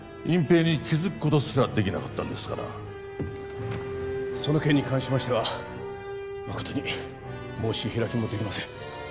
隠蔽に気づくことすらできなかったんですからその件に関しましては誠に申し開きもできません